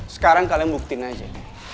sekarang kalian buktiin aja